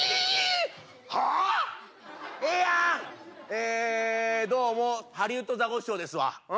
えどうもハリウッドザコシショウですわ。